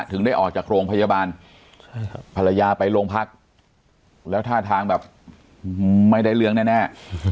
ถึงได้ออกจากโรงพยาบาลภรรยาไปโรงพักแล้วท่าทางแบบไม่ได้เรื่องแน่